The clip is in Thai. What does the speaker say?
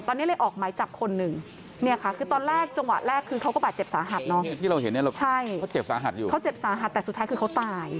ตอนนี้เลยออกไหมจับคน๑เนี่ยค่ะ